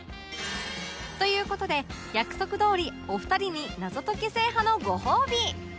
という事で約束どおりお二人に謎解き制覇のご褒美